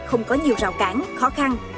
không có nhiều rào cản khó khăn